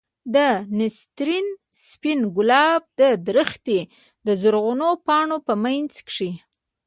د نسترن سپين ګلان د درختې د زرغونو پاڼو په منځ کښې.